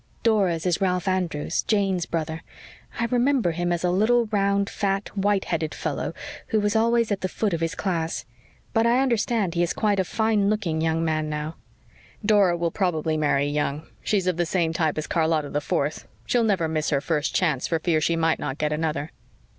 Dora's is Ralph Andrews Jane's brother. I remember him as a little, round, fat, white headed fellow who was always at the foot of his class. But I understand he is quite a fine looking young man now." "Dora will probably marry young. She's of the same type as Charlotta the Fourth she'll never miss her first chance for fear she might not get another."